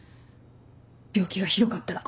病気がひどかったら。